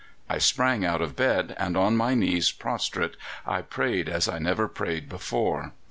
I sprang out of bed, and on my knees prostrate I prayed as I never prayed before.